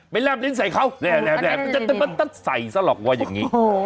ไปแรมลิ้นใส่เขาแรมแรมแรมใส่ซะหรอกว่าอย่างงี้โอ้โห